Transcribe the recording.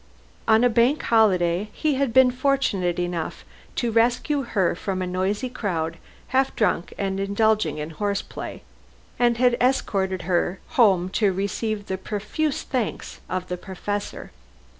On a Bank Holiday he had been fortunate enough to rescue her from a noisy crowd, half drunk and indulging in horse play, and had escorted her home to receive the profuse thanks of the Professor.